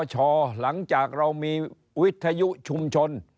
หลังจากเรามีวิทยุชุมชน